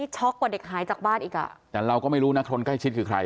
ช็อกกว่าเด็กหายจากบ้านอีกอ่ะแต่เราก็ไม่รู้นะคนใกล้ชิดคือใคร